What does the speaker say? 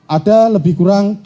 ada lebih kurang